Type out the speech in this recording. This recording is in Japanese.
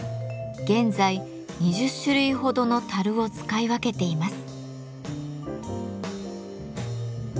現在２０種類ほどの樽を使い分けています。